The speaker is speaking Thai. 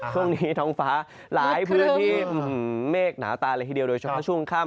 ตรงนี้ท้องฟ้าหลายพื้นที่เมฆหนาตาโดยเฉพาะช่วงค่ำ